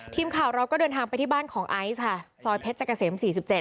ทีมข่าวเราก็เดินทางไปที่บ้านของไอซ์ค่ะซอยเพชรเกษม๔๗